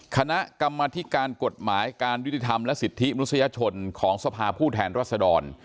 คณะกรรมธิการกฎหมายการยุติธรรมและสิทธิมนุษยชนของสภาผู้แทนรัศดร